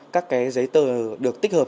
các cái giấy tờ được tích hợp